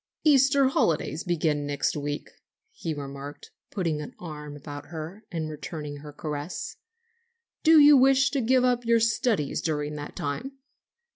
"Easter holidays begin next week," he remarked, putting an arm about her and returning her caress; "do you wish to give up your studies during that time?"